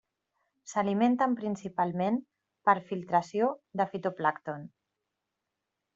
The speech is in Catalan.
S'alimenten principalment per filtració de fitoplàncton.